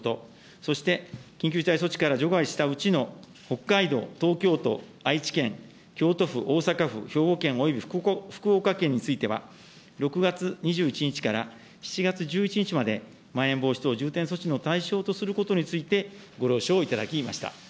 そして緊急事態措置から除外したうちの北海道、東京都、愛知県、京都府、大阪府、兵庫県および福岡県については、６月２１日から７月１１日まで、まん延防止等重点措置の対象とすることについて、ご了承をいただきました。